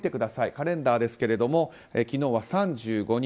カレンダーですけれども昨日は３５人。